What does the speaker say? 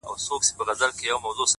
بيا دې په سجده کي په ژړا وينم _